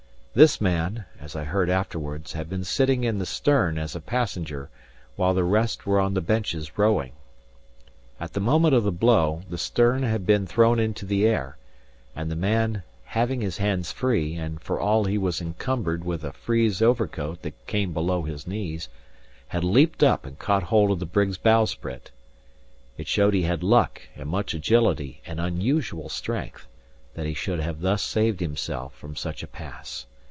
This man (as I heard afterwards) had been sitting in the stern as a passenger, while the rest were on the benches rowing. At the moment of the blow, the stern had been thrown into the air, and the man (having his hands free, and for all he was encumbered with a frieze overcoat that came below his knees) had leaped up and caught hold of the brig's bowsprit. It showed he had luck and much agility and unusual strength, that he should have thus saved himself from such a pass.